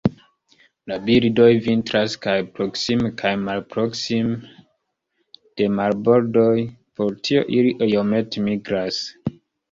La birdoj vintras kaj proksime kaj malproksime de marbordoj, por tio ili iomete migras.